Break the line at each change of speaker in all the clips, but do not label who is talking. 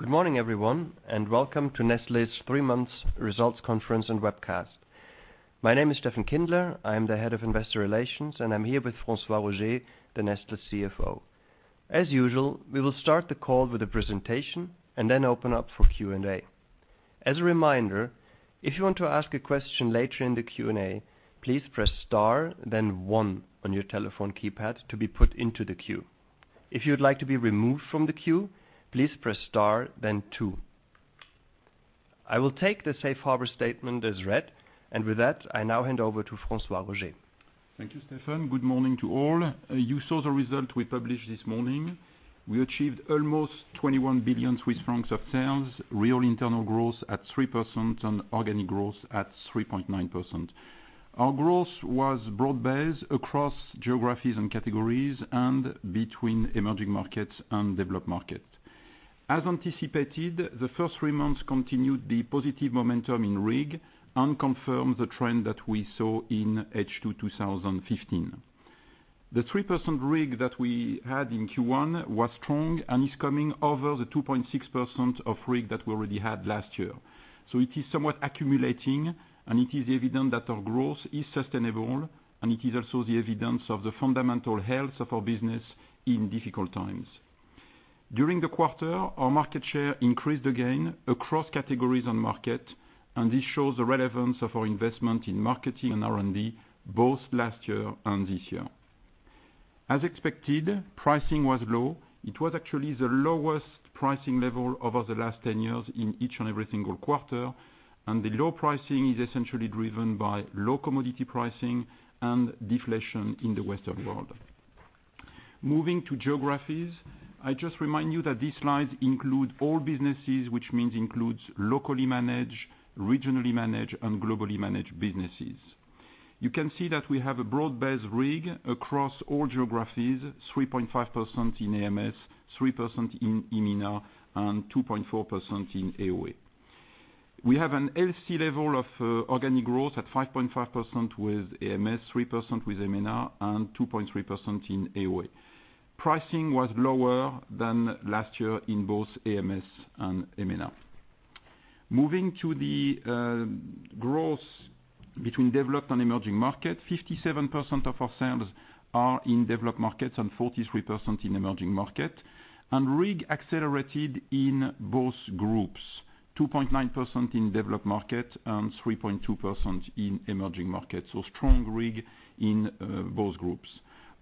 Good morning, everyone, and welcome to Nestlé's three months results conference and webcast. My name is Steffen Kindler. I am the Head of Investor Relations, and I am here with François-Xavier Roger, the Nestlé CFO. As usual, we will start the call with a presentation and then open up for Q&A. As a reminder, if you want to ask a question later in the Q&A, please press star, then one on your telephone keypad to be put into the queue. If you would like to be removed from the queue, please press star then two. I will take the safe harbor statement as read, and with that, I now hand over to François-Xavier Roger.
Thank you, Steffen. Good morning to all. You saw the result we published this morning. We achieved almost 21 billion Swiss francs of sales, real internal growth at 3% and organic growth at 3.9%. Our growth was broad-based across geographies and categories and between emerging markets and developed markets. As anticipated, the first three months continued the positive momentum in RIG and confirmed the trend that we saw in H2 2015. The 3% RIG that we had in Q1 was strong and is coming over the 2.6% of RIG that we already had last year. So it is somewhat accumulating, and it is evident that our growth is sustainable, and it is also the evidence of the fundamental health of our business in difficult times. During the quarter, our market share increased again across categories on market, and this shows the relevance of our investment in marketing and R&D both last year and this year. As expected, pricing was low. It was actually the lowest pricing level over the last 10 years in each and every single quarter, and the low pricing is essentially driven by low commodity pricing and deflation in the Western world. Moving to geographies, I just remind you that these slides include all businesses, which means includes locally managed, regionally managed, and globally managed businesses. You can see that we have a broad-based RIG across all geographies, 3.5% in AMS, 3% in EMENA, and 2.4% in AOA. We have an healthy level of organic growth at 5.5% with AMS, 3% with EMENA, and 2.3% in AOA. Pricing was lower than last year in both AMS and EMENA. Moving to the growth between developed and emerging markets, 57% of our sales are in developed markets and 43% in emerging markets, and RIG accelerated in both groups, 2.9% in developed markets and 3.2% in emerging markets. So strong RIG in both groups.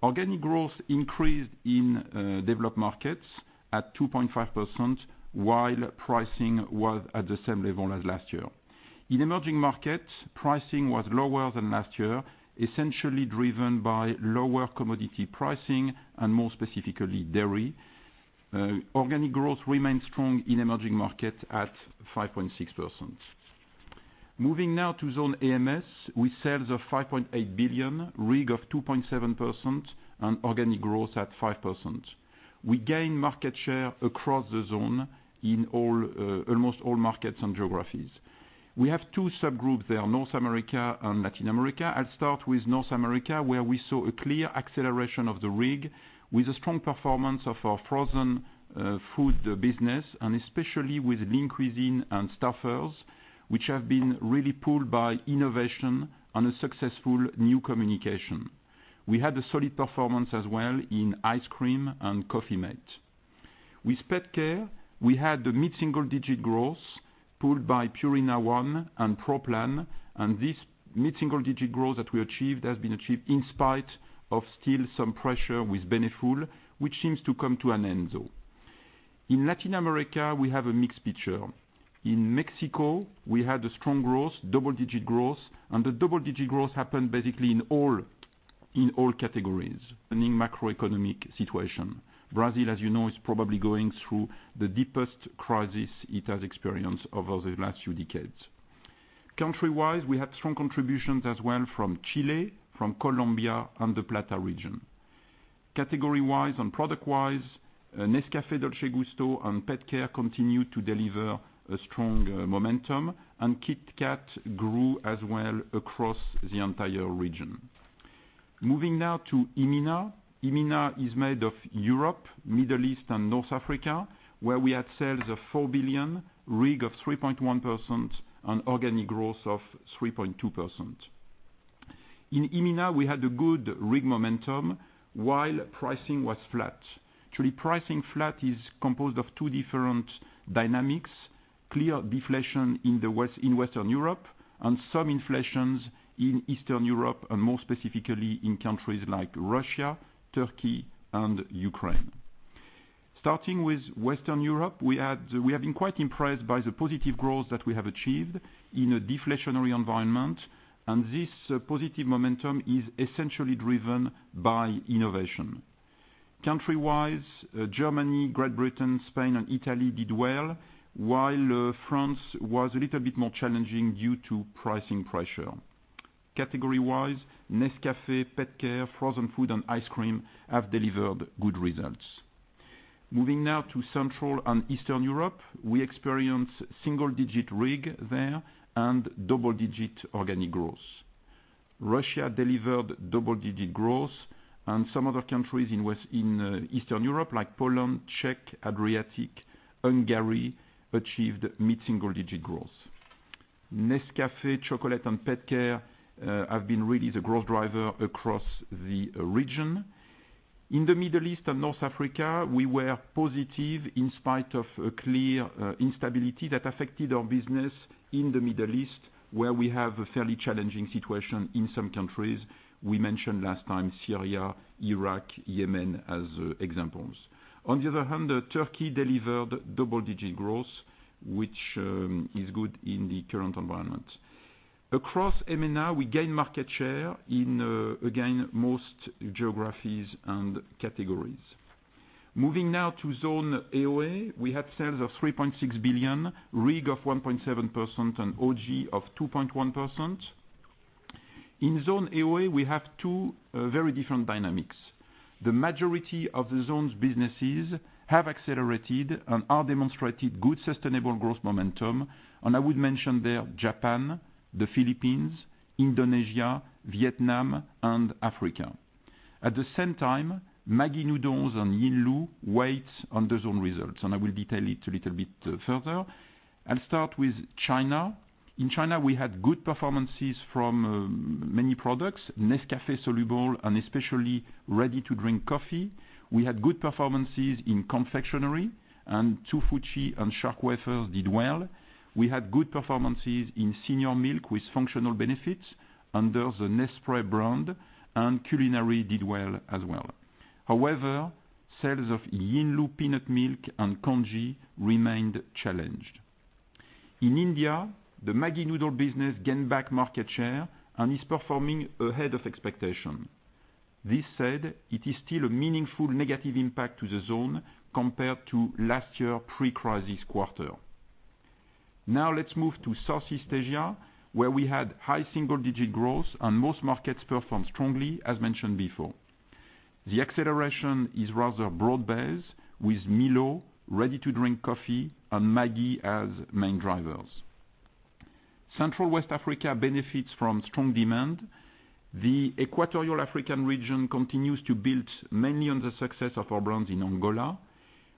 Organic growth increased in developed markets at 2.5% while pricing was at the same level as last year. In emerging markets, pricing was lower than last year, essentially driven by lower commodity pricing and more specifically, dairy. Organic growth remains strong in emerging markets at 5.6%. Moving now to zone AMS with sales of 5.8 billion, RIG of 2.7%, and organic growth at 5%. We gain market share across the zone in almost all markets and geographies. We have two subgroups there, North America and Latin America. I'll start with North America, where we saw a clear acceleration of the RIG with a strong performance of our frozen food business, especially with Lean Cuisine and Stouffer's, which have been really pulled by innovation and a successful new communication. We had a solid performance as well in ice cream and Coffee-mate. With Petcare, we had mid-single digit growth pulled by Purina ONE and Pro Plan, and this mid-single digit growth that we achieved has been achieved in spite of still some pressure with Beneful, which seems to come to an end though. In Latin America, we have a mixed picture. In Mexico, we had a strong growth, double-digit growth, and the double-digit growth happened basically in all categories. In macroeconomic situation. Brazil, as you know, is probably going through the deepest crisis it has experienced over the last few decades. Country-wise, we had strong contributions as well from Chile, from Colombia, and the Plata region. Category-wise and product-wise, Nescafé Dolce Gusto and Petcare continued to deliver a strong momentum, KitKat grew as well across the entire region. Moving now to EMENA. EMENA is made of Europe, Middle East, and North Africa, where we had sales of 4 billion, RIG of 3.1%, and organic growth of 3.2%. In EMENA, we had a good RIG momentum while pricing was flat. Actually, pricing flat is composed of two different dynamics, clear deflation in Western Europe and some inflations in Eastern Europe, and more specifically in countries like Russia, Turkey, and Ukraine. Starting with Western Europe, we have been quite impressed by the positive growth that we have achieved in a deflationary environment, This positive momentum is essentially driven by innovation. Country-wise, Germany, Great Britain, Spain, and Italy did well, while France was a little bit more challenging due to pricing pressure. Category-wise, Nescafé, Petcare, frozen food, and ice cream have delivered good results. Moving now to Central and Eastern Europe, we experienced single-digit RIG there and double-digit organic growth. Russia delivered double-digit growth and some other countries in Eastern Europe like Poland, Czech, Adriatic, Hungary, achieved mid-single digit growth. Nescafé, chocolate, and Petcare have been really the growth driver across the region. In the Middle East and North Africa, we were positive in spite of a clear instability that affected our business in the Middle East, where we have a fairly challenging situation in some countries. We mentioned last time Syria, Iraq, Yemen as examples. On the other hand, Turkey delivered double-digit growth, which is good in the current environment. Across MENA, we gain market share in, again, most geographies and categories. Moving now to zone AOA, we had sales of 3.6 billion, RIG of 1.7% and OG of 2.1%. In zone AOA, we have two very different dynamics. The majority of the zone's businesses have accelerated and are demonstrating good sustainable growth momentum, I would mention there Japan, the Philippines, Indonesia, Vietnam, and Africa. At the same time, Maggi noodles and Yinlu weight on the zone results, I will detail it a little bit further. I'll start with China. In China, we had good performances from many products, Nescafé soluble especially ready-to-drink coffee. We had good performances in confectionery, Hsu Fu Chi and Shark Wafer did well. We had good performances in senior milk with functional benefits under the Nespresso brand, Culinary did well as well. However, sales of Yinlu peanut milk and congee remained challenged. In India, the Maggi noodle business gained back market share and is performing ahead of expectation. This said, it is still a meaningful negative impact to the zone compared to last year pre-crisis quarter. Let's move to Southeast Asia, where we had high single-digit growth and most markets performed strongly as mentioned before. The acceleration is rather broad-based with Milo, ready-to-drink coffee, and Maggi as main drivers. Central West Africa benefits from strong demand. The Equatorial African region continues to build mainly on the success of our brands in Angola.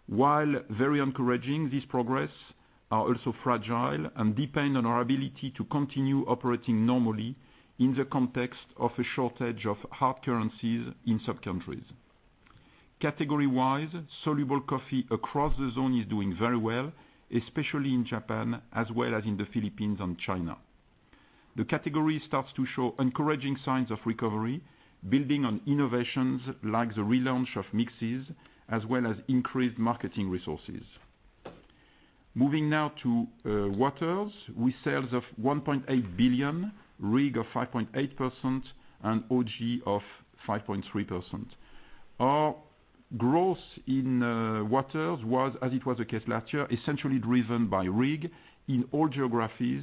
While very encouraging, these progress are also fragile and depend on our ability to continue operating normally in the context of a shortage of hard currencies in some countries. Category-wise, soluble coffee across the zone is doing very well, especially in Japan as well as in the Philippines and China. The category starts to show encouraging signs of recovery, building on innovations like the relaunch of mixes, as well as increased marketing resources. To waters, with sales of 1.8 billion, RIG of 5.8%, and OG of 5.3%. Our growth in waters was, as it was the case last year, essentially driven by RIG in all geographies,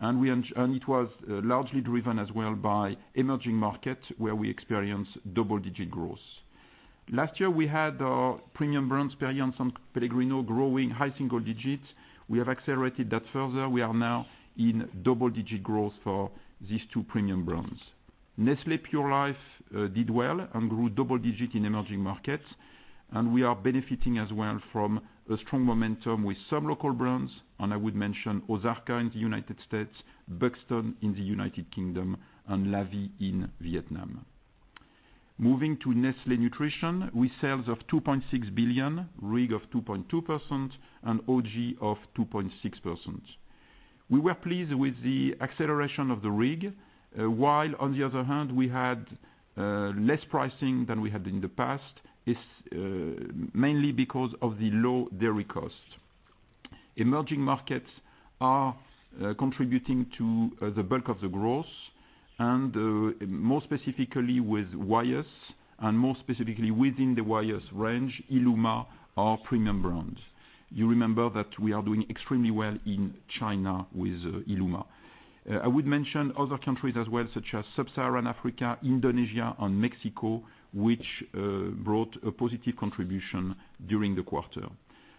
and it was largely driven as well by emerging markets where we experienced double-digit growth. Last year, we had our premium brands, Perrier and S.Pellegrino, growing high single digits. We have accelerated that further. We are now in double-digit growth for these two premium brands. Nestlé Pure Life did well and grew double digits in emerging markets, and we are benefiting as well from a strong momentum with some local brands, and I would mention Ozarka in the U.S., Buxton in the U.K., and La Vie in Vietnam. Nestlé Nutrition, with sales of 2.6 billion, RIG of 2.2%, and OG of 2.6%. We were pleased with the acceleration of the RIG, while on the other hand, we had less pricing than we had in the past, mainly because of the low dairy cost. Emerging markets are contributing to the bulk of the growth and more specifically with Wyeth, and more specifically within the Wyeth range, Illuma, our premium brands. You remember that we are doing extremely well in China with Illuma. I would mention other countries as well, such as Sub-Saharan Africa, Indonesia, and Mexico, which brought a positive contribution during the quarter.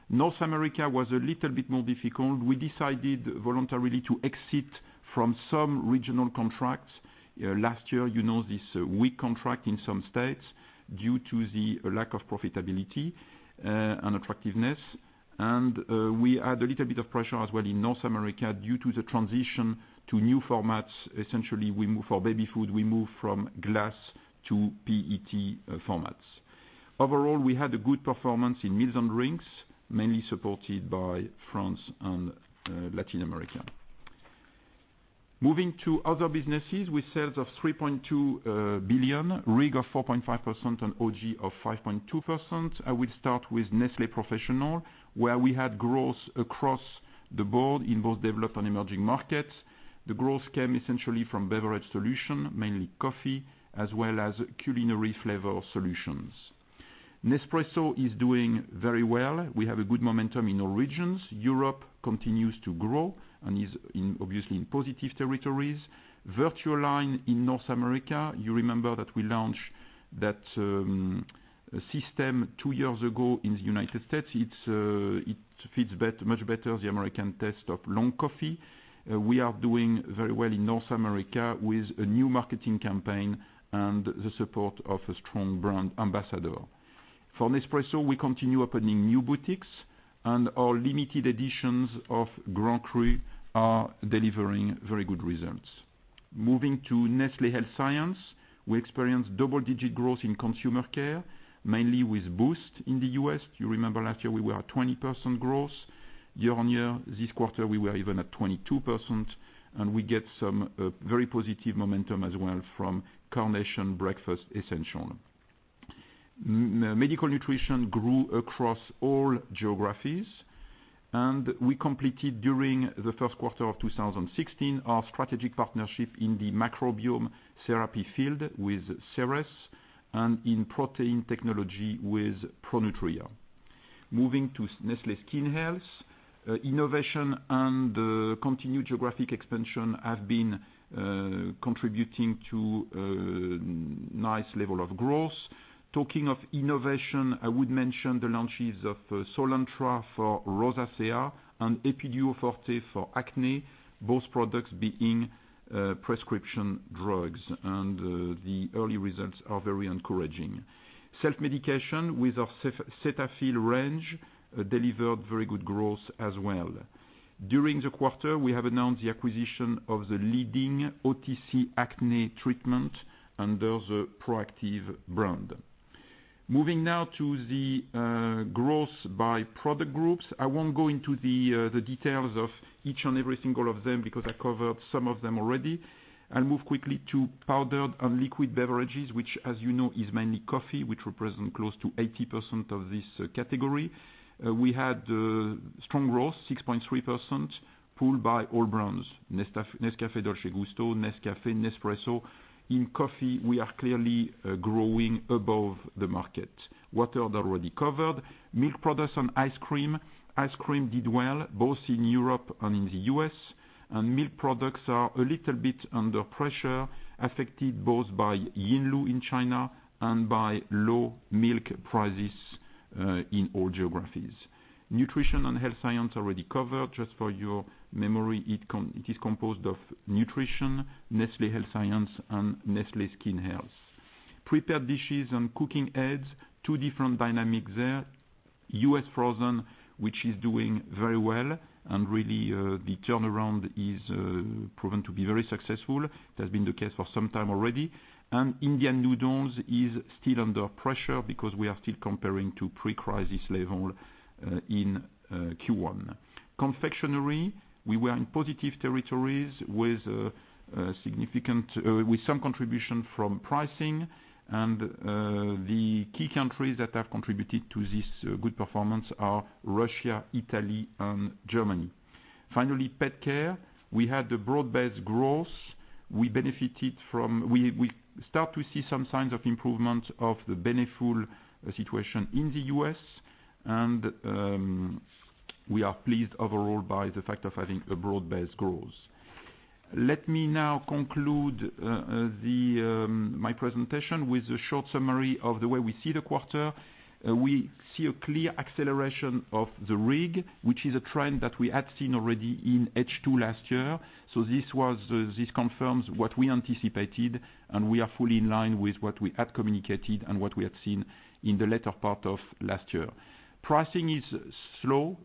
North America was a little bit more difficult. We decided voluntarily to exit from some regional contracts last year. You know this weak contract in some states due to the lack of profitability and attractiveness. We had a little bit of pressure as well in North America due to the transition to new formats. Essentially, for baby food, we moved from glass to PET formats. Overall, we had a good performance in meals and drinks, mainly supported by France and Latin America. To other businesses, with sales of 3.2 billion, RIG of 4.5%, and OG of 5.2%, I would start with Nestlé Professional, where we had growth across the board in both developed and emerging markets. The growth came essentially from beverage solution, mainly coffee, as well as culinary flavor solutions. Nespresso is doing very well. We have a good momentum in all regions. Europe continues to grow and is obviously in positive territories. VertuoLine in North America, you remember that we launched that system 2 years ago in the United States. It fits much better the American taste of long coffee. We are doing very well in North America with a new marketing campaign and the support of a strong brand ambassador. For Nespresso, we continue opening new boutiques, and our limited editions of Grand Cru are delivering very good results. Moving to Nestlé Health Science, we experienced double-digit growth in consumer care, mainly with Boost in the U.S. You remember last year we were at 20% growth year-over-year. This quarter, we were even at 22%. We get some very positive momentum as well from Carnation Breakfast Essentials. Medical Nutrition grew across all geographies, and we completed during the first quarter of 2016, our strategic partnership in the microbiome therapy field with Seres and in protein technology with Pronutria. Moving to Nestlé Skin Health, innovation and continued geographic expansion have been contributing to a nice level of growth. Talking of innovation, I would mention the launches of Soolantra for rosacea and Epiduo Forte for acne, both products being prescription drugs, and the early results are very encouraging. Self-medication with our Cetaphil range delivered very good growth as well. During the quarter, we have announced the acquisition of the leading OTC acne treatment under the Proactiv brand. Moving now to the growth by product groups. I won't go into the details of each and every single of them because I covered some of them already. I'll move quickly to powdered and liquid beverages, which as you know, is mainly coffee, which represent close to 80% of this category. We had strong growth, 6.3% pulled by all brands, Nescafé Dolce Gusto, Nescafé, Nespresso. In coffee, we are clearly growing above the market. Water I'd already covered. Milk products and ice cream. Ice cream did well both in Europe and in the U.S., and milk products are a little bit under pressure, affected both by Yinlu in China and by low milk prices in all geographies. Nutrition and health science already covered. Just for your memory, it is composed of Nutrition, Nestlé Health Science, and Nestlé Skin Health. Prepared dishes and cooking aids, 2 different dynamics there. U.S. frozen, which is doing very well, and really, the turnaround is proven to be very successful. That's been the case for some time already. Indian noodles is still under pressure because we are still comparing to pre-crisis level in Q1. Confectionery, we were in positive territories with some contribution from pricing, and the key countries that have contributed to this good performance are Russia, Italy, and Germany. Finally, pet care. We had a broad-based growth. We start to see some signs of improvement of the Beneful situation in the U.S., and we are pleased overall by the fact of having a broad-based growth. Let me now conclude my presentation with a short summary of the way we see the quarter. We see a clear acceleration of the RIG, which is a trend that we had seen already in H2 last year. This confirms what we anticipated, and we are fully in line with what we had communicated and what we had seen in the latter part of last year. Pricing is low,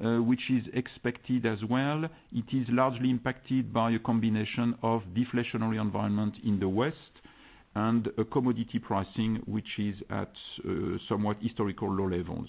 which is expected as well. It is largely impacted by a combination of deflationary environment in the West and commodity pricing, which is at somewhat historical low levels.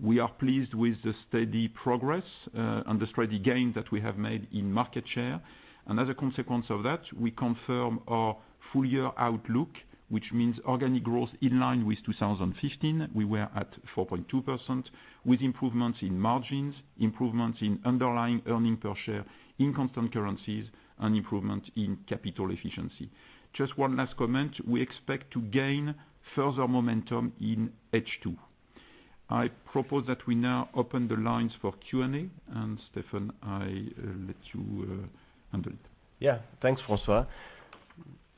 We are pleased with the steady progress and the steady gain that we have made in market share. As a consequence of that, we confirm our full-year outlook, which means organic growth in line with 2015. We were at 4.2% with improvements in margins, improvements in underlying earning per share in constant currencies, and improvement in capital efficiency. Just one last comment. We expect to gain further momentum in H2. I propose that we now open the lines for Q&A, and Steffen, I let you handle it.
Thanks, François.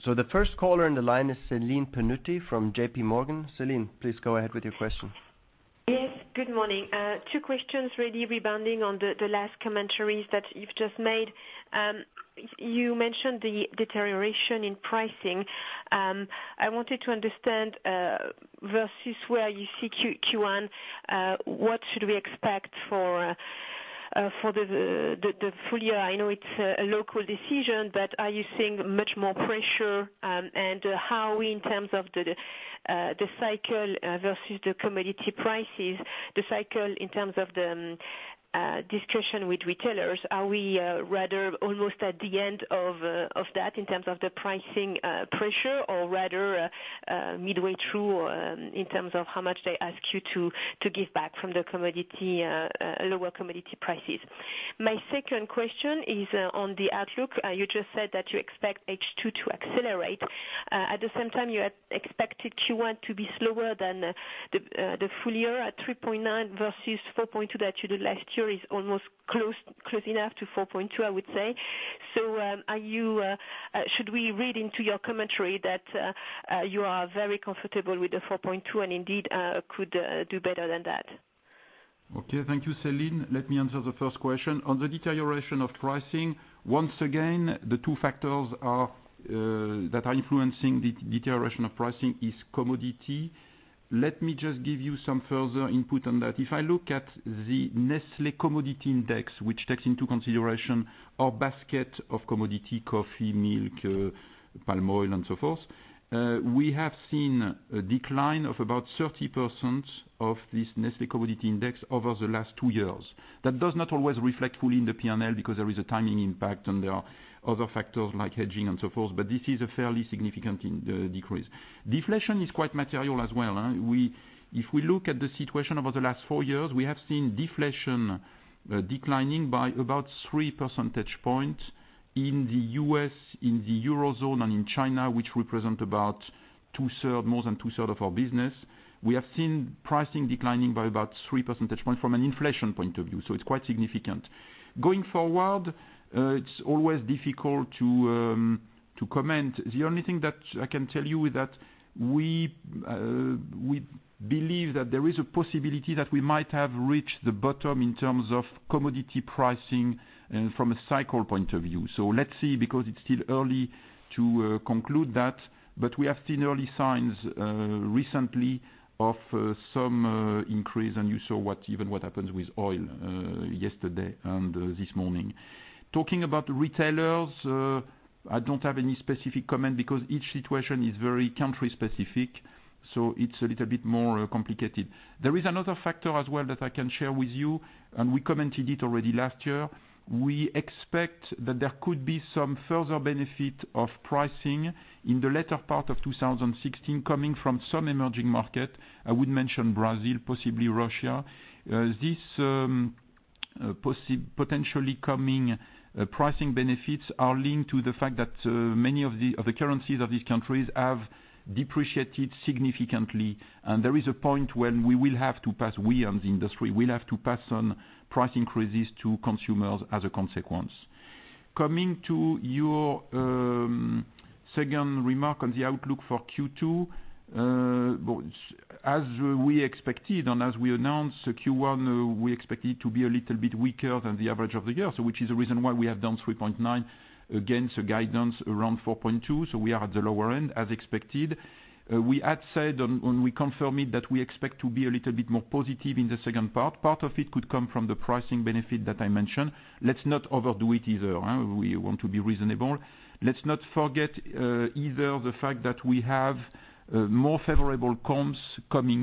The first caller in the line is Celine Pannuti from J.P. Morgan. Celine, please go ahead with your question.
Good morning. Two questions really rebounding on the last commentaries that you've just made. You mentioned the deterioration in pricing. I wanted to understand, versus where you see Q1, what should we expect for the full year? I know it's a local decision, but are you seeing much more pressure? How in terms of the cycle versus the commodity prices, the cycle in terms of the discussion with retailers, are we rather almost at the end of that in terms of the pricing pressure or rather midway through in terms of how much they ask you to give back from the lower commodity prices? My second question is on the outlook. You just said that you expect H2 to accelerate. At the same time, you expected Q1 to be slower than the full year at 3.9 versus 4.2 that you did last year is almost close enough to 4.2, I would say. Should we read into your commentary that you are very comfortable with the 4.2 and indeed could do better than that?
Okay, thank you, Celine Pannuti. Let me answer the first question. On the deterioration of pricing, once again, the two factors that are influencing the deterioration of pricing is commodity. Let me just give you some further input on that. If I look at the Nestlé Commodity Index, which takes into consideration our basket of commodity, coffee, milk, palm oil, and so forth, we have seen a decline of about 30% of this Nestlé Commodity Index over the last two years. That does not always reflect fully in the P&L because there is a timing impact and there are other factors like hedging and so forth, but this is a fairly significant decrease. Deflation is quite material as well. If we look at the situation over the last four years, we have seen deflation declining by about three percentage points in the U.S., in the Euro zone, and in China, which represent about more than two-third of our business. We have seen pricing declining by about three percentage points from an inflation point of view, it's quite significant. Going forward, it's always difficult to comment. The only thing that I can tell you is that we believe that there is a possibility that we might have reached the bottom in terms of commodity pricing and from a cycle point of view. Let's see, because it's still early to conclude that, but we have seen early signs recently of some increase, and you saw even what happens with oil yesterday and this morning. Talking about retailers, I don't have any specific comment because each situation is very country specific, it's a little bit more complicated. There is another factor as well that I can share with you, and we commented it already last year. We expect that there could be some further benefit of pricing in the latter part of 2016 coming from some emerging market. I would mention Brazil, possibly Russia. These potentially coming pricing benefits are linked to the fact that many of the currencies of these countries have depreciated significantly. There is a point when we will have to pass, we and the industry, will have to pass on price increases to consumers as a consequence. Coming to your second remark on the outlook for Q2. As we expected and as we announced Q1, we expect it to be a little bit weaker than the average of the year. Which is the reason why we have done 3.9 against a guidance around 4.2. We are at the lower end as expected. We had said, and we confirm it, that we expect to be a little bit more positive in the second part. Part of it could come from the pricing benefit that I mentioned. Let's not overdo it either. We want to be reasonable. Let's not forget either the fact that we have more favorable comps coming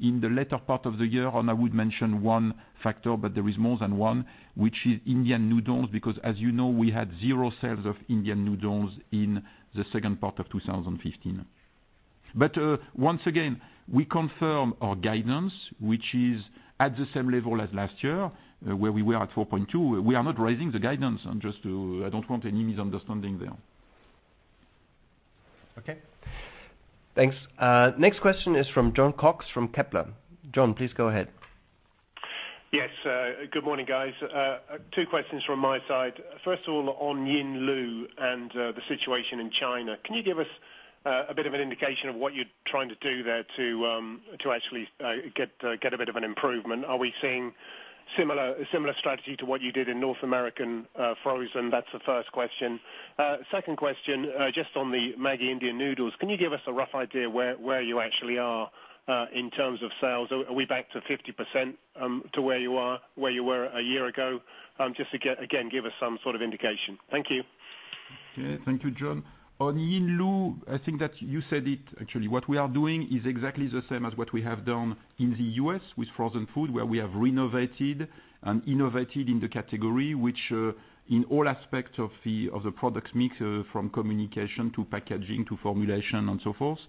in the latter part of the year, and I would mention one factor, but there is more than one, which is Indian noodles, because as you know, we had zero sales of Indian noodles in the second part of 2015. Once again, we confirm our guidance, which is at the same level as last year, where we were at 4.2%. We are not raising the guidance. I don't want any misunderstanding there.
Okay, thanks. Next question is from Jon Cox from Kepler. Jon, please go ahead.
Yes, good morning, guys. Two questions from my side. First of all, on Yinlu and the situation in China. Can you give us a bit of an indication of what you're trying to do there to actually get a bit of an improvement? Are we seeing similar strategy to what you did in North American frozen? That's the first question. Second question, just on the Maggi Indian noodles, can you give us a rough idea where you actually are in terms of sales? Are we back to 50% to where you were a year ago? Just again, give us some sort of indication. Thank you.
Thank you, Jon. On Yinlu, I think that you said it actually. What we are doing is exactly the same as what we have done in the U.S. with frozen food, where we have renovated and innovated in the category, which in all aspects of the product mix, from communication to packaging to formulation and so forth.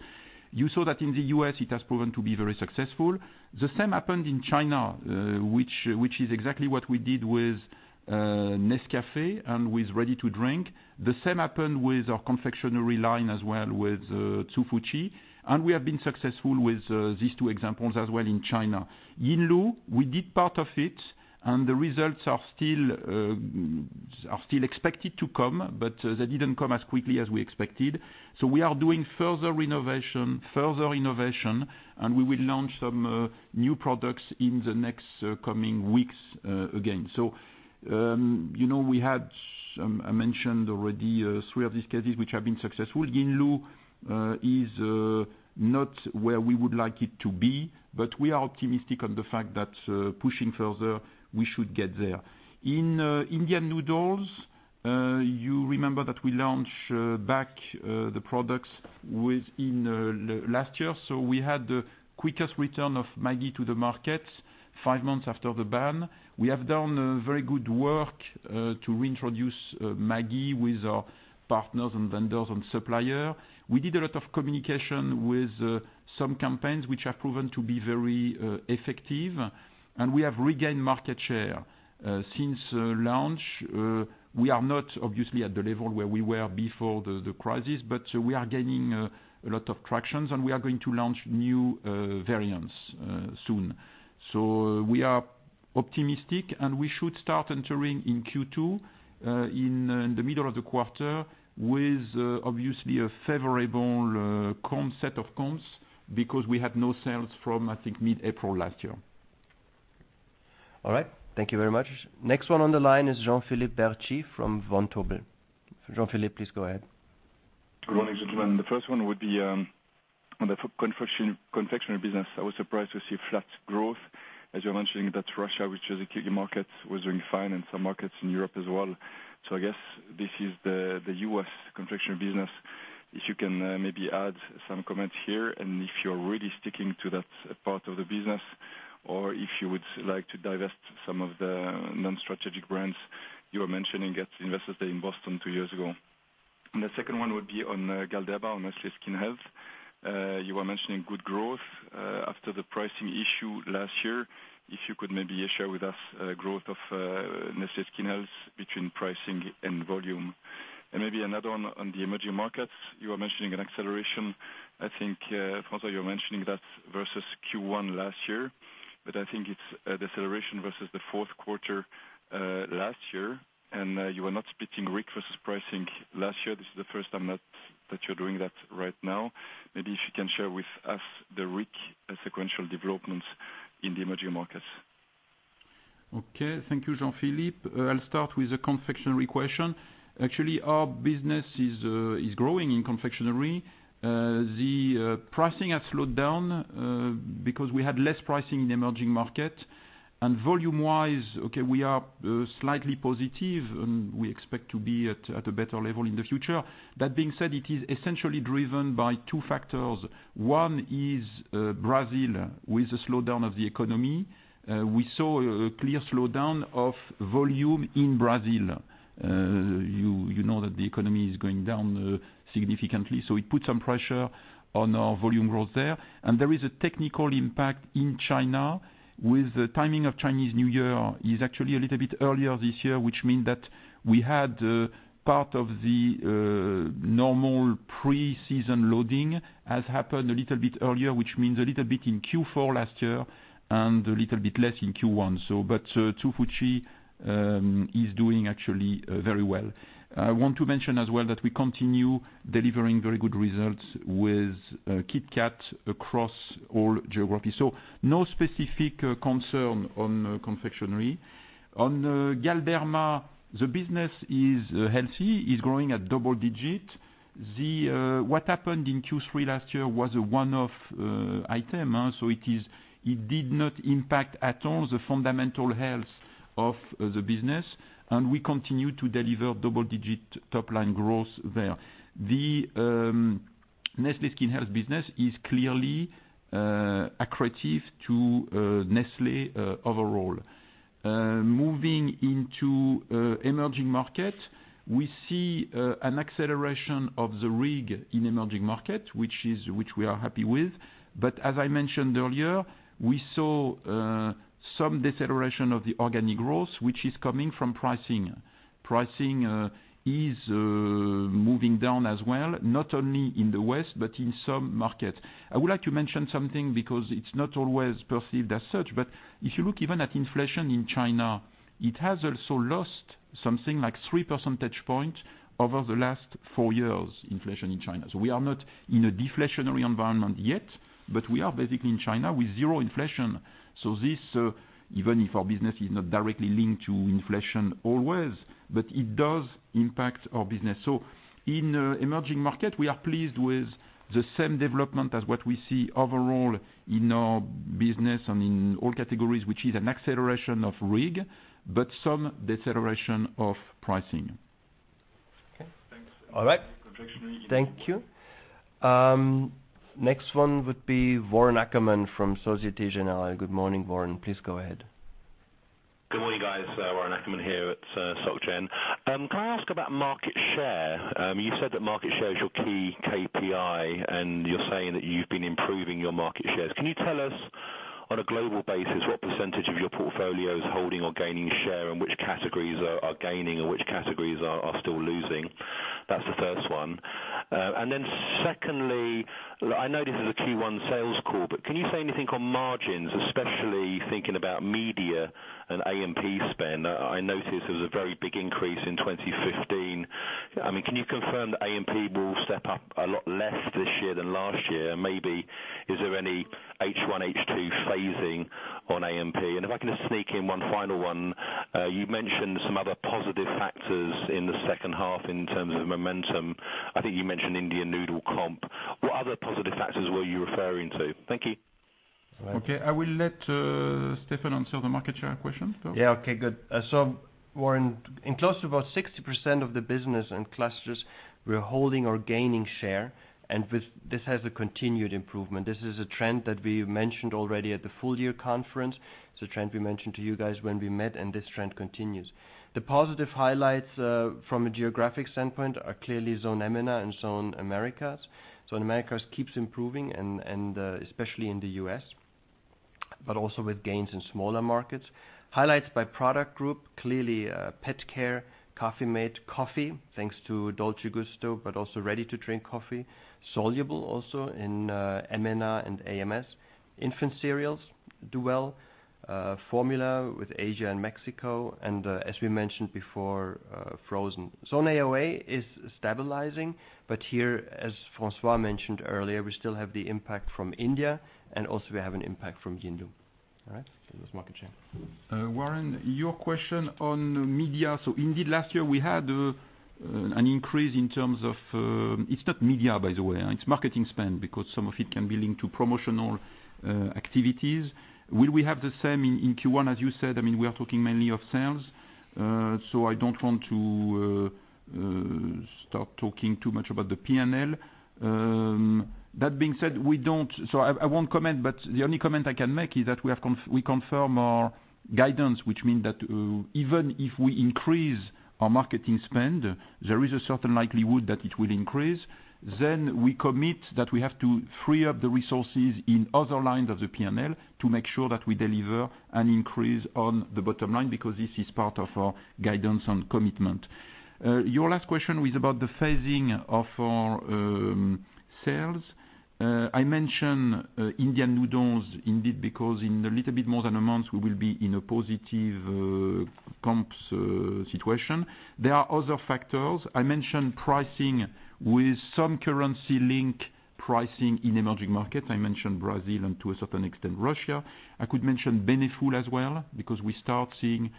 You saw that in the U.S., it has proven to be very successful. The same happened in China, which is exactly what we did with Nescafé and with ready-to-drink. The same happened with our confectionery line as well, with Hsu Fu Chi, and we have been successful with these two examples as well in China. Yinlu, we did part of it, and the results are still expected to come, but they didn't come as quickly as we expected. We are doing further renovation, further innovation, and we will launch some new products in the next coming weeks again. We had, I mentioned already three of these cases, which have been successful. Yinlu is not where we would like it to be, but we are optimistic on the fact that pushing further, we should get there. In Indian noodles, you remember that we launched back the products within last year. We had the quickest return of Maggi to the market Five months after the ban, we have done very good work to reintroduce Maggi with our partners and vendors and suppliers. We did a lot of communication with some campaigns, which have proven to be very effective, and we have regained market share since launch. We are not, obviously, at the level where we were before the crisis, but we are gaining a lot of traction, and we are going to launch new variants soon. We are optimistic, and we should start entering in Q2, in the middle of the quarter, with obviously a favorable set of comps, because we had no sales from, I think, mid-April last year.
All right. Thank you very much. Next one on the line is Jean-Philippe Bertschy from Vontobel. Jean-Philippe, please go ahead.
Good morning, gentlemen. The first one would be on the confectionery business. I was surprised to see flat growth, as you're mentioning that Russia, which is a key market, was doing fine in some markets in Europe as well. I guess this is the U.S. confectionery business. If you can maybe add some comments here, and if you're really sticking to that part of the business, or if you would like to divest some of the non-strategic brands you were mentioning at the investors' day in Boston two years ago. The second one would be on Galderma, on Nestlé Skin Health. You were mentioning good growth after the pricing issue last year. If you could maybe share with us growth of Nestlé Skin Health between pricing and volume. And maybe another one on the emerging markets. You were mentioning an acceleration. I think, François, you're mentioning that versus Q1 last year, but I think it's a deceleration versus the fourth quarter last year. You are not splitting RIG versus pricing last year. This is the first time that you're doing that right now. Maybe if you can share with us the RIG sequential developments in the emerging markets.
Okay. Thank you, Jean-Philippe. I'll start with the confectionery question. Actually, our business is growing in confectionery. The pricing has slowed down because we had less pricing in emerging markets. Volume wise, okay, we are slightly positive, and we expect to be at a better level in the future. That being said, it is essentially driven by two factors. One is Brazil with the slowdown of the economy. We saw a clear slowdown of volume in Brazil. You know that the economy is going down significantly, so it put some pressure on our volume growth there. There is a technical impact in China with the timing of Chinese New Year is actually a little bit earlier this year. Which means that we had part of the normal pre-season loading has happened a little bit earlier, which means a little bit in Q4 last year and a little bit less in Q1. Hsu Fu Chi is doing actually very well. I want to mention as well that we continue delivering very good results with KitKat across all geographies. No specific concern on confectionery. On Galderma, the business is healthy, is growing at double-digit. What happened in Q3 last year was a one-off item, so it did not impact at all the fundamental health of the business, and we continue to deliver double-digit top-line growth there. The Nestlé Skin Health business is clearly accretive to Nestlé overall. Moving into emerging market, we see an acceleration of the RIG in emerging market, which we are happy with. As I mentioned earlier, we saw some deceleration of the organic growth, which is coming from pricing. Pricing is moving down as well, not only in the West, but in some markets. I would like to mention something because it's not always perceived as such, but if you look even at inflation in China, it has also lost something like 3 percentage points over the last four years, inflation in China. We are not in a deflationary environment yet, but we are basically in China with zero inflation. This, even if our business is not directly linked to inflation always, but it does impact our business. In emerging market, we are pleased with the same development as what we see overall in our business and in all categories, which is an acceleration of RIG, but some deceleration of pricing.
Okay, thanks.
All right.
Confectionery
Thank you. Next one would be Warren Ackerman from Société Générale. Good morning, Warren. Please go ahead.
Good morning, guys. Warren Ackerman here at Soc Gen. Can I ask about market share? You said that market share is your key KPI, and you're saying that you've been improving your market shares. Can you tell us on a global basis what percentage of your portfolio is holding or gaining share, and which categories are gaining and which categories are still losing? That's the first one. Secondly, I know this is a Q1 sales call, but can you say anything on margins, especially thinking about media and A&MP spend? I noticed there was a very big increase in 2015. Can you confirm that A&MP will step up a lot less this year than last year? Maybe, is there any H1, H2 phasing on A&MP? If I can just sneak in one final one. You mentioned some other positive factors in the second half in terms of momentum. I think you mentioned Indian noodle comp. What other positive factors were you referring to? Thank you.
Okay. I will let Steffen answer the market share question. Yeah. Okay, good. Warren, in close to about 60% of the business and clusters, we are holding or gaining share, and this has a continued improvement. This is a trend that we mentioned already at the full year conference. It's a trend we mentioned to you guys when we met, and this trend continues. The positive highlights from a geographic standpoint are clearly zone MENA and zone Americas. Zone Americas keeps improving and especially in the U.S., but also with gains in smaller markets. Highlights by product group, clearly pet care, Coffee-mate coffee, thanks to Dolce Gusto, but also ready-to-drink coffee, soluble also in MENA and AMS. Infant cereals do well, formula with Asia and Mexico, and as we mentioned before, frozen.
Zone AOA is stabilizing, here, as François mentioned earlier, we still have the impact from India and also we have an impact from Yinlu. All right. That's market share.
Warren, your question on media. Indeed, last year we had an increase in terms of, it's not media by the way, it's marketing spend, because some of it can be linked to promotional activities. Will we have the same in Q1? As you said, we are talking mainly of sales. I don't want to start talking too much about the P&L. That being said, I won't comment, but the only comment I can make is that we confirm our guidance, which means that even if we increase our marketing spend, there is a certain likelihood that it will increase. We commit that we have to free up the resources in other lines of the P&L to make sure that we deliver an increase on the bottom line, because this is part of our guidance and commitment. Your last question was about the phasing of our sales. I mentioned Indian noodles, indeed, because in a little bit more than a month, we will be in a positive comps situation. There are other factors. I mentioned pricing with some currency link pricing in emerging markets. I mentioned Brazil and to a certain extent, Russia. I could mention Beneful as well, because we start seeing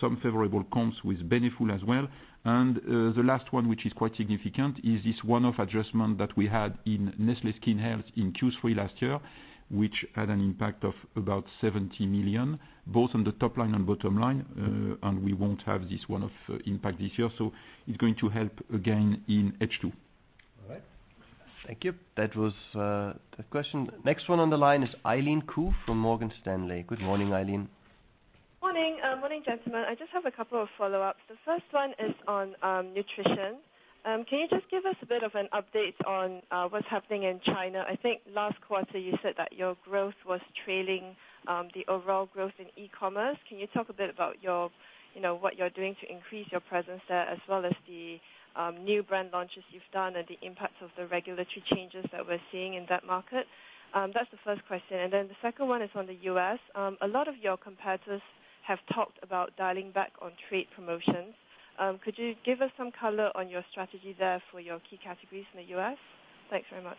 some favorable comps with Beneful as well. The last one, which is quite significant, is this one-off adjustment that we had in Nestlé Skin Health in Q3 last year, which had an impact of about 70 million, both on the top line and bottom line. We won't have this one-off impact this year, it's going to help again in H2.
All right. Thank you. That was the question. Next one on the line is Eileen Khoo from Morgan Stanley. Good morning, Eileen.
Morning. Morning, gentlemen. I just have a couple of follow-ups. The first one is on nutrition. Can you just give us a bit of an update on what's happening in China? I think last quarter you said that your growth was trailing the overall growth in e-commerce. Can you talk a bit about what you're doing to increase your presence there, as well as the new brand launches you've done and the impacts of the regulatory changes that we're seeing in that market? That's the first question. Then the second one is on the U.S. A lot of your competitors have talked about dialing back on trade promotions. Could you give us some color on your strategy there for your key categories in the U.S.? Thanks very much.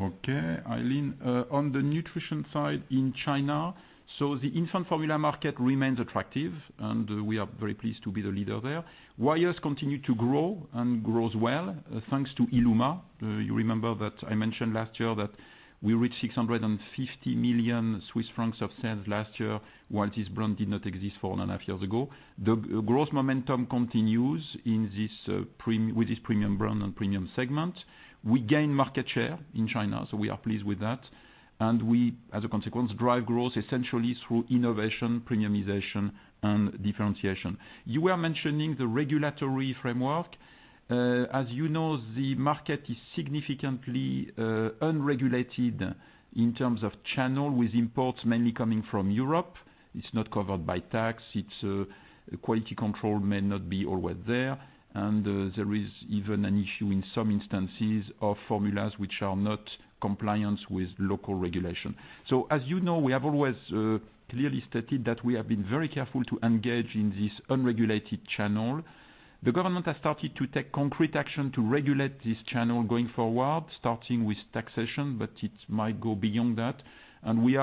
Okay, Eileen. On the nutrition side in China, the infant formula market remains attractive, and we are very pleased to be the leader there. Wyeth continue to grow and grows well, thanks to Illuma. You remember that I mentioned last year that we reached 650 million Swiss francs of sales last year, while this brand did not exist four and a half years ago. The growth momentum continues with this premium brand and premium segment. We gain market share in China, we are pleased with that. We, as a consequence, drive growth essentially through innovation, premiumization, and differentiation. You were mentioning the regulatory framework. As you know, the market is significantly unregulated in terms of channel with imports mainly coming from Europe. It's not covered by tax. Its quality control may not be always there. There is even an issue in some instances of formulas which are not compliant with local regulation. As you know, we have always clearly stated that we have been very careful to engage in this unregulated channel. The government has started to take concrete action to regulate this channel going forward, starting with taxation, but it might go beyond that. We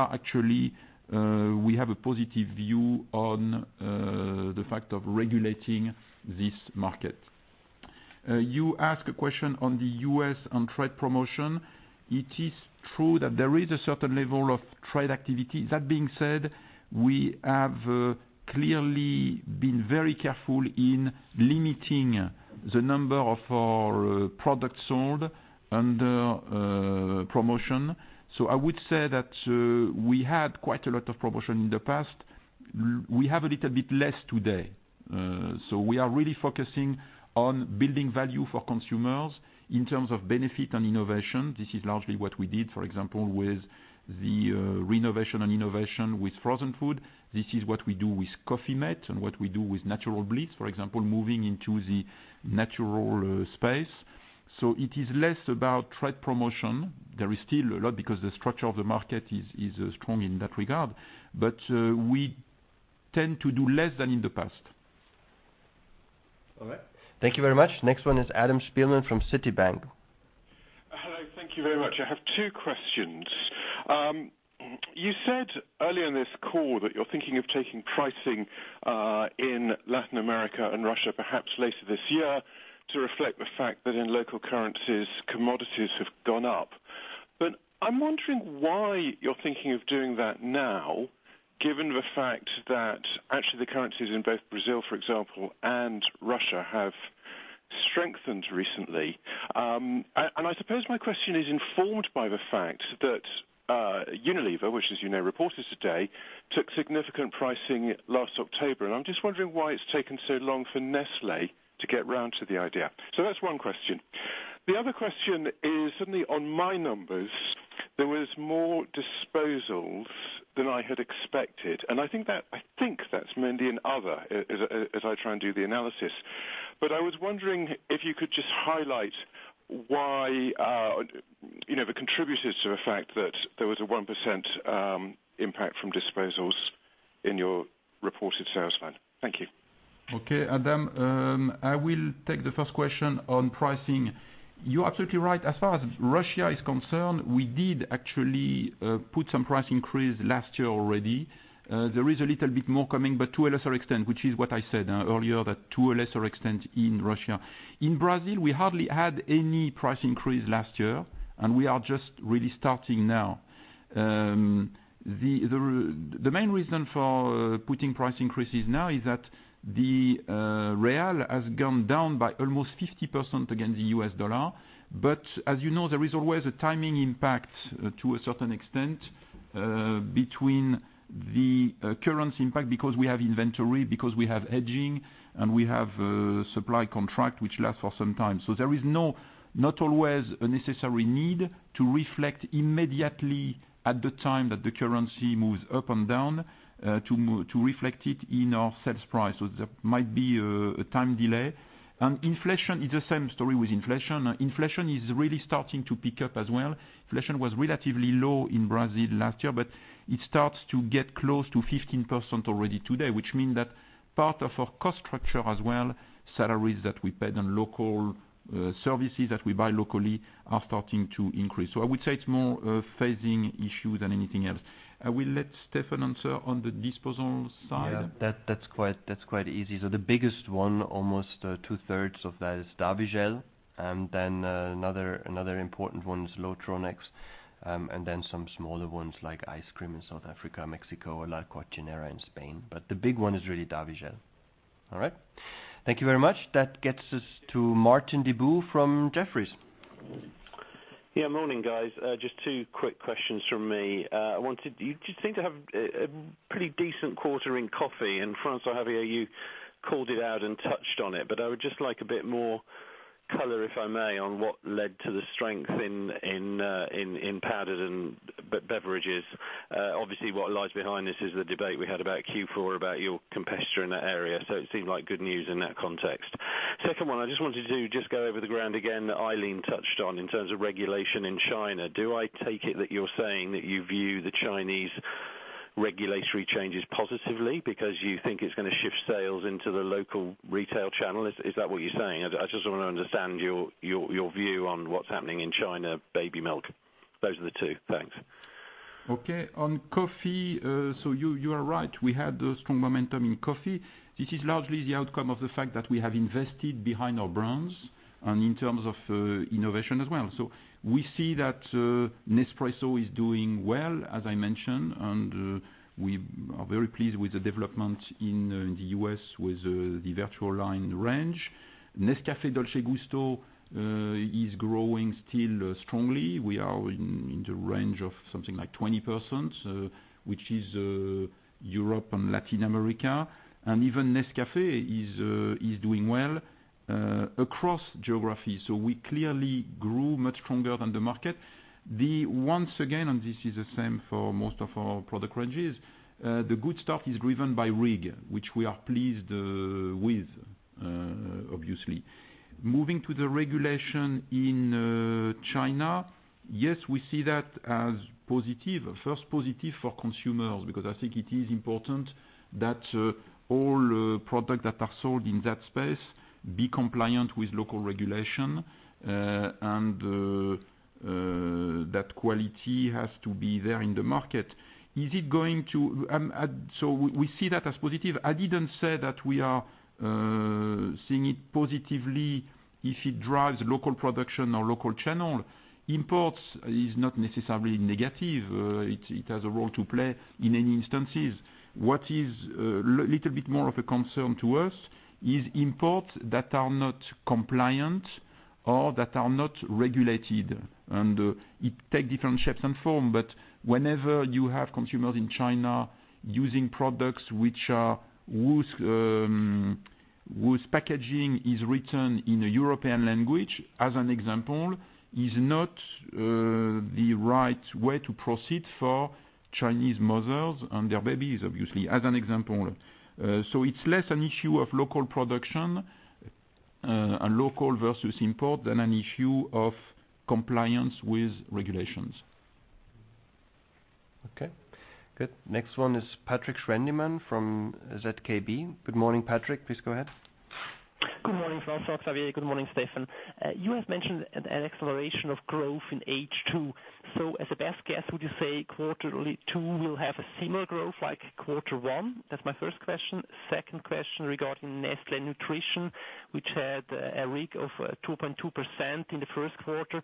have a positive view on the fact of regulating this market. You ask a question on the U.S. on trade promotion. It is true that there is a certain level of trade activity. That being said, we have clearly been very careful in limiting the number of our products sold under promotion. I would say that we had quite a lot of promotion in the past. We have a little bit less today. We are really focusing on building value for consumers in terms of benefit and innovation. This is largely what we did, for example, with the renovation and innovation with frozen food. This is what we do with Coffee-mate and what we do with Natural Bliss, for example, moving into the natural space. It is less about trade promotion. There is still a lot because the structure of the market is strong in that regard. We tend to do less than in the past.
All right. Thank you very much. Next one is Adam Spielman from Citi.
Hello. Thank you very much. I have two questions. You said earlier in this call that you're thinking of taking pricing in Latin America and Russia perhaps later this year to reflect the fact that in local currencies, commodities have gone up. I'm wondering why you're thinking of doing that now, given the fact that actually the currencies in both Brazil, for example, and Russia, have strengthened recently. I suppose my question is informed by the fact that Unilever, which as you know, reported today, took significant pricing last October, and I'm just wondering why it's taken so long for Nestlé to get round to the idea. That's one question. The other question is, suddenly on my numbers, there was more disposals than I had expected, and I think that's mainly in other, as I try and do the analysis. I was wondering if you could just highlight why the contributors to the fact that there was a 1% impact from disposals in your reported sales line. Thank you.
Okay, Adam. I will take the first question on pricing. You're absolutely right. As far as Russia is concerned, we did actually put some price increase last year already. There is a little bit more coming, to a lesser extent, which is what I said earlier, that to a lesser extent in Russia. In Brazil, we hardly had any price increase last year, and we are just really starting now. The main reason for putting price increases now is that the real has gone down by almost 50% against the US dollar. As you know, there is always a timing impact to a certain extent, between the currency impact because we have inventory, because we have hedging, and we have a supply contract which lasts for some time. There is not always a necessary need to reflect immediately at the time that the currency moves up and down, to reflect it in our sales price. There might be a time delay. It's the same story with inflation. Inflation is really starting to pick up as well. Inflation was relatively low in Brazil last year, but it starts to get close to 15% already today, which mean that part of our cost structure as well, salaries that we paid and local services that we buy locally are starting to increase. I would say it's more a phasing issue than anything else. I will let Steffen answer on the disposal side. Yeah. That's quite easy. The biggest one, almost two-thirds of that is Davigel, and then another important one is Lotronex, and then some smaller ones like ice cream in South Africa, Mexico, La Cocinera in Spain. The big one is really Davigel. All right. Thank you very much. That gets us to Martin Deboo from Jefferies.
Morning, guys. Just two quick questions from me. You seem to have a pretty decent quarter in coffee, and François-Xavier, you called it out and touched on it, but I would just like a bit more color, if I may, on what led to the strength in powdered and beverages. Obviously, what lies behind this is the debate we had about Q4, about your competitor in that area, it seemed like good news in that context. Second one, I just wanted to just go over the ground again that Eileen touched on, in terms of regulation in China. Do I take it that you're saying that you view the Chinese regulatory changes positively because you think it's going to shift sales into the local retail channel? Is that what you're saying? I just want to understand your view on what's happening in China, baby milk.
Those are the two. Thanks.
Okay. On coffee, you are right, we had strong momentum in coffee. This is largely the outcome of the fact that we have invested behind our brands and in terms of innovation as well. We see that Nespresso is doing well, as I mentioned, and we are very pleased with the development in the U.S. with the VertuoLine range. Nescafé Dolce Gusto is growing still strongly. We are in the range of something like 20%, which is Europe and Latin America, and even Nescafé is doing well across geographies. We clearly grew much stronger than the market. Once again, and this is the same for most of our product ranges, the good stuff is driven by RIG, which we are pleased with, obviously. Moving to the regulation in China. Yes, we see that as positive. First, positive for consumers, because I think it is important that all product that are sold in that space be compliant with local regulation, and that quality has to be there in the market. So we see that as positive. I didn't say that we are seeing it positively if it drives local production or local channel. Imports is not necessarily negative. It has a role to play in any instances. What is a little bit more of a concern to us is imports that are not compliant or that are not regulated, and it take different shapes and form. But whenever you have consumers in China using products which are, whose packaging is written in a European language, as an example, is not the right way to proceed for Chinese mothers and their babies, obviously, as an example. It's less an issue of local production and local versus import than an issue of compliance with regulations.
Okay, good. Next one is Patrik Schwendimann from ZKB. Good morning, Patrik. Please go ahead.
Good morning, François-Xavier. Good morning, Steffen. You have mentioned an acceleration of growth in H2. As a best guess, would you say quarter 2 will have a similar growth like quarter 1? That's my first question. Second question regarding Nestlé Nutrition, which had a RIG of 2.2% in the first quarter.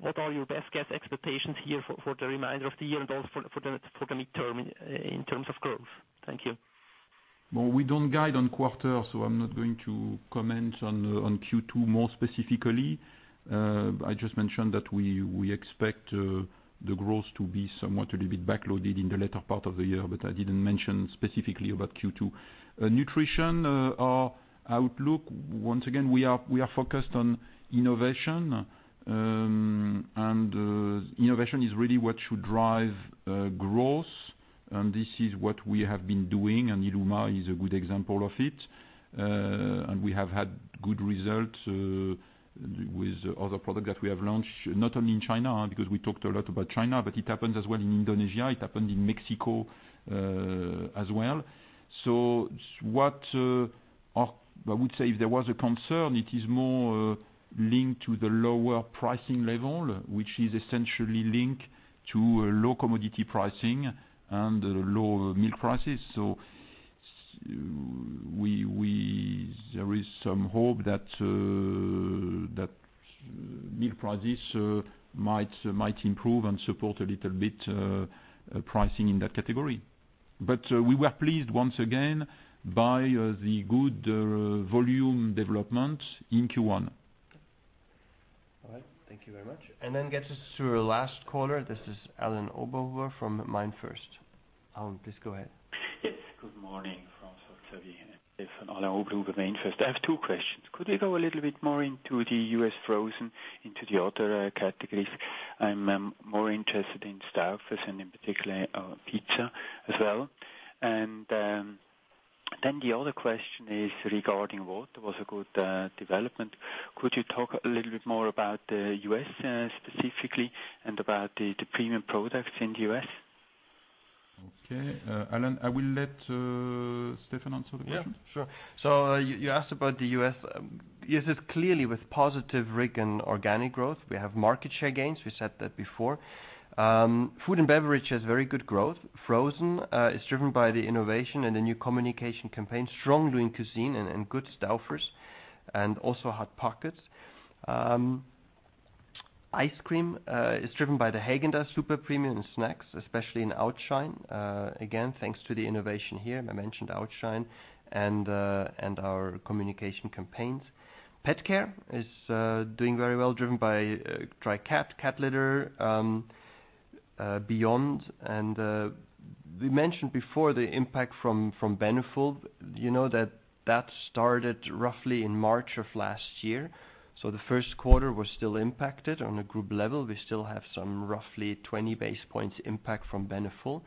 What are your best guess expectations here for the remainder of the year and also for the midterm in terms of growth? Thank you.
Well, we don't guide on quarters, so I'm not going to comment on Q2 more specifically. I just mentioned that we expect the growth to be somewhat a little bit back-loaded in the latter part of the year, but I didn't mention specifically about Q2. Nutrition, our outlook, once again, we are focused on innovation, and innovation is really what should drive growth. This is what we have been doing, and Illuma is a good example of it. We have had good results with other products that we have launched, not only in China, because we talked a lot about China, but it happens as well in Indonesia, it happened in Mexico as well. I would say if there was a concern, it is more linked to the lower pricing level, which is essentially linked to low commodity pricing and low milk prices. There is some hope that milk prices might improve and support a little bit pricing in that category. We were pleased once again by the good volume development in Q1.
All right. Thank you very much. That gets us to our last caller. This is Alain Oberhuber from MainFirst. Alain, please go ahead.
Yes. Good morning, François-Xavier and Steffen. Alain Oberhuber, MainFirst. I have two questions. Could we go a little bit more into the U.S. frozen into the other categories? I'm more interested in Stouffer's and in particular, Pizza as well. The other question is regarding water, was a good development. Could you talk a little bit more about the U.S. specifically and about the premium products in the U.S.?
Okay. Alain, I will let Steffen answer the question.
Sure. You asked about the U.S. Yes, it is clearly with positive RIG and organic growth. We have market share gains, we said that before. Food and beverage has very good growth. Frozen is driven by the innovation and the new communication campaign. Strong Lean Cuisine and good Stouffer's, and also Hot Pockets. Ice cream is driven by the Häagen-Dazs super premium and snacks, especially in Outshine. Again, thanks to the innovation here, I mentioned Outshine, and our communication campaigns. Pet care is doing very well, driven by Dry Cat Litter, Beyond. We mentioned before the impact from Beneful. You know that that started roughly in March of last year, so the first quarter was still impacted. On a group level, we still have some roughly 20 basis points impact from Beneful.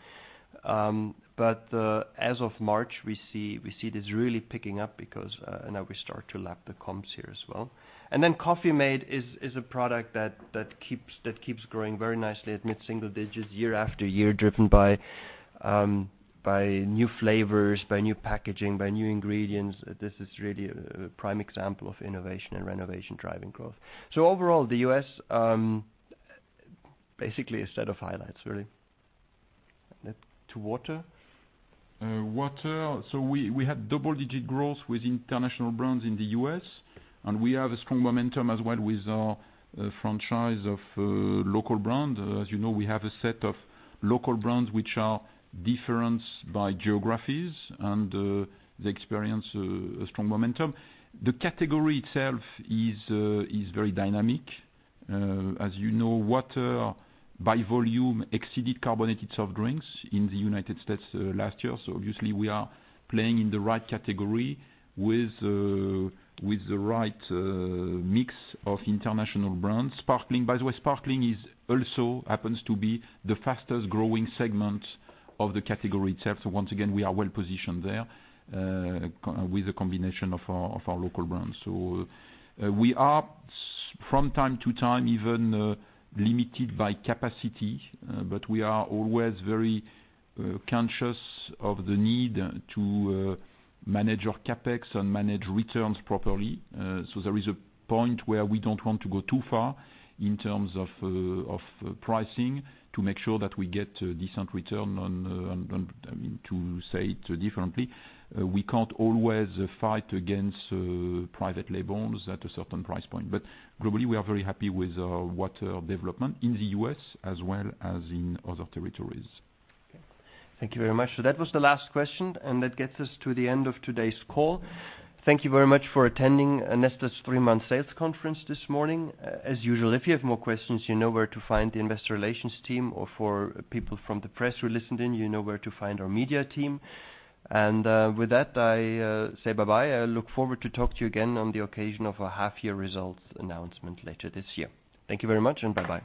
As of March, we see it is really picking up because now we start to lap the comps here as well. Coffee-mate is a product that keeps growing very nicely at mid-single-digits year after year, driven by new flavors, by new packaging, by new ingredients. This is really a prime example of innovation and renovation driving growth. Overall, the U.S., basically a set of highlights, really. To water?
Water. We had double-digit growth with international brands in the U.S., and we have a strong momentum as well with our franchise of local brands. As you know, we have a set of local brands which are different by geographies, and they experience a strong momentum. The category itself is very dynamic. As you know, water, by volume, exceeded carbonated soft drinks in the United States last year. Obviously, we are playing in the right category with the right mix of international brands. Sparkling, by the way, Sparkling also happens to be the fastest-growing segment of the category itself. Once again, we are well-positioned there with a combination of our local brands. We are from time to time, even limited by capacity, but we are always very conscious of the need to manage our CapEx and manage returns properly. There is a point where we don't want to go too far in terms of pricing to make sure that we get a decent return on, I mean, to say it differently, we can't always fight against private labels at a certain price point. Globally, we are very happy with our water development in the U.S. as well as in other territories.
Okay. Thank you very much. That was the last question, and that gets us to the end of today's call. Thank you very much for attending Nestlé's three-month sales conference this morning. As usual, if you have more questions, you know where to find the investor relations team. For people from the press who listened in, you know where to find our media team. With that, I say bye-bye. I look forward to talk to you again on the occasion of our half-year results announcement later this year. Thank you very much, and bye-bye.